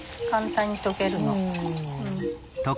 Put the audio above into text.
簡単に溶けるの。